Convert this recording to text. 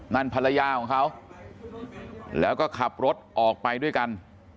ภรรยาของเขาแล้วก็ขับรถออกไปด้วยกัน